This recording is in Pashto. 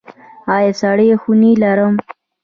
آیا سړې خونې لرو؟